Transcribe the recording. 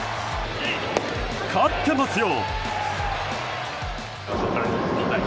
勝ってますよ！